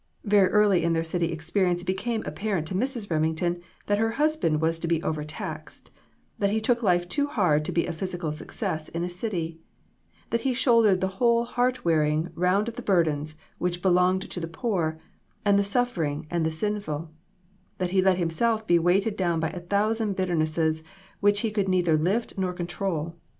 Very early in their city experi ence it became apparent to Mrs. Remington that her husband was to be overtaxed ; that he took life too hard to be a physical success in a city ; that he shouldered the whole heart wearing round of burdens which belonged to the poor, and the suffering, and the sinful ; that he let himself be weighted down by a thousand bitternesses which he could neither lift nor control.